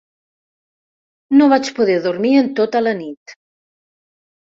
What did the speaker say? No vaig poder dormir en tota la nit.